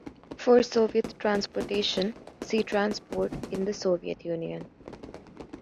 For Soviet transportation, see Transport in the Soviet Union.